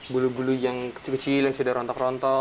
bulu bulu yang kecil kecil yang sudah rontok rontok